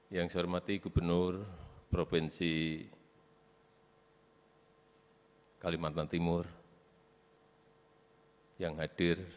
yang saya hormati gubernur provinsi kalimantan timur yang hadir